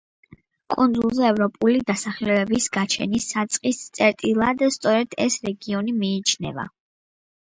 კუნძულზე ევროპული დასახლებების გაჩენის საწყის წერტილად სწორედ ეს რეგიონი მიიჩნევა.